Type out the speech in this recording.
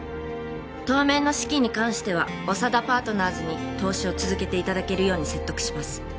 当面の資金に関しては長田パートナーズに投資を続けていただけるように説得します